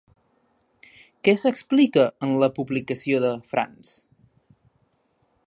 Què s'explica en la publicació de France?